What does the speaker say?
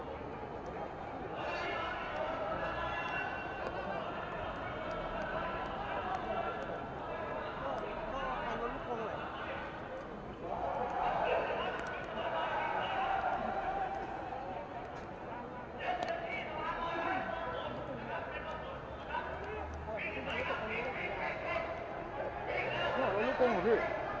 อันนี้ก็ไม่เห็นอะไรแล้วอ่ะไปไม่ได้ตอนนี้แหละไม่เห็นแบบนี้